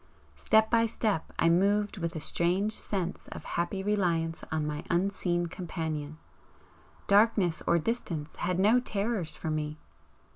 Step by step I moved with a strange sense of happy reliance on my unseen companion darkness or distance had no terrors for me.